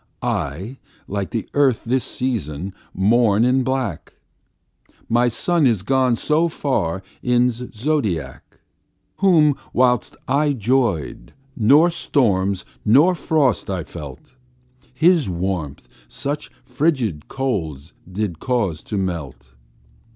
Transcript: I, like the Earth this season, mourn in black, My Sun is gone so far in's zodiac, Whom whilst I 'joyed, nor storms, nor frost I felt, His warmth such fridged colds did cause to melt.